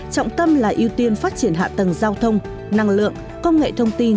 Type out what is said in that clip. trọng tâm là ưu tiên phát triển hạ tầng giao thông năng lượng công nghệ thông tin